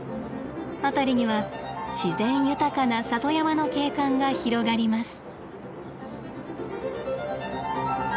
辺りには自然豊かな里山の景観が広がります。